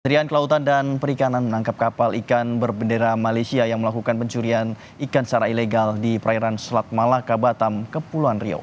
kementerian kelautan dan perikanan menangkap kapal ikan berbendera malaysia yang melakukan pencurian ikan secara ilegal di perairan selat malaka batam kepulauan riau